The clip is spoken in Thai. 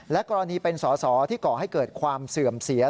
กรณีเป็นสอสอที่ก่อให้เกิดความเสื่อมเสีย